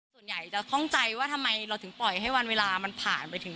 ส่วนใหญ่จะคล่องใจว่าทำไมเราถึงปล่อยให้วันเวลามันผ่านไปถึง